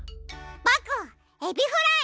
ぼくエビフライ！